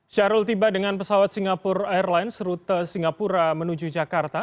syahrul tiba dengan pesawat singapura airlines rute singapura menuju jakarta